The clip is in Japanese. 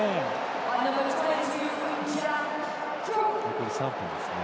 残り２分ですね。